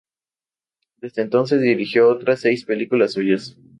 Desde entonces dirigió otras seis películas suyas.